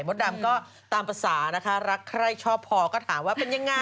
ดำก็ตามภาษานะคะรักใครชอบพอก็ถามว่าเป็นยังไง